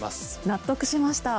納得しました。